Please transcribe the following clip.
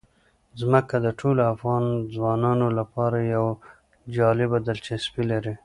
ځمکه د ټولو افغان ځوانانو لپاره یوه جالبه دلچسپي لري.